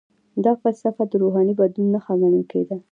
دا فلسفه د روحاني بدلون نښه ګڼل کیده.